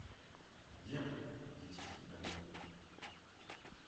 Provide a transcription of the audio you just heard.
Viens ! dit-il tout à coup.